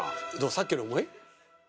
さっきより重い？